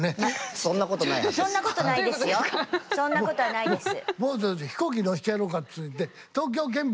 そんなことはないですよ。